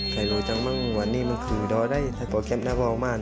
ใครรู้จังมั้งว่านี่มันคือได้โครเช็มได้บอกมาก